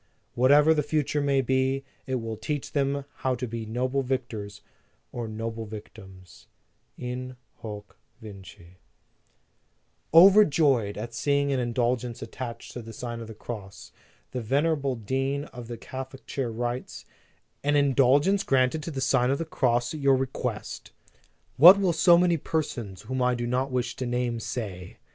.. Whatever the future may be, it will teach them how to be noble victors or noble victims; in hoc vince" Overjoyed at seeing an indulgence at tached to the Sign of the Cross, the venera ble Dean of the Catholic Chair writes: "An indulgence granted to the Sign of the Cross at your request! What will so many persons, whom I do not wish to name, say?